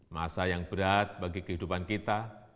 masa yang berat bagi kehidupan kita